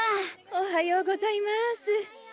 おはようございます。